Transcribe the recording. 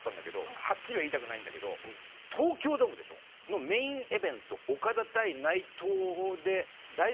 はっきりは言いたくないんだけど東京ドームでしょ？のメインイベントオカダ対内藤で大丈夫か？